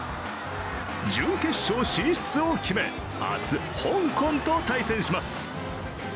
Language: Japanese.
準決勝進出を決め明日、香港と対戦します。